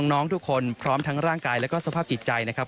น้องทุกคนพร้อมทั้งร่างกายแล้วก็สภาพจิตใจนะครับ